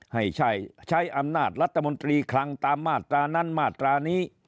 ให้ใช้อำนาจรัฐมนตรีคลังตามมาตรานั้นมาตรานี้